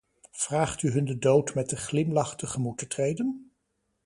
Vraagt u hun de dood met de glimlach tegemoet te treden?